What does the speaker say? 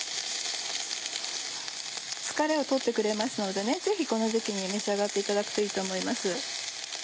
疲れを取ってくれますのでぜひこの時期に召し上がっていただくといいと思います。